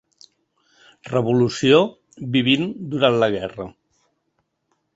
Revolució’, ‘Vivint durant la guerra.